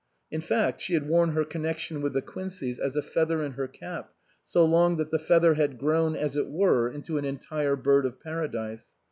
In fact she had worn her con nection with the Quinceys as a feather in her cap so long that the feather had grown, as it were, into an entire bird of paradise.